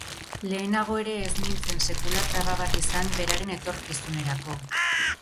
Lehenago ere ez nintzen sekula traba bat izan beraren etorkizunerako.